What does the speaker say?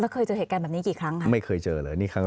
ค่อยเอาเหตุการณ์บันกี่ครั้งผมไม่เคยเจอเลยในครั้ง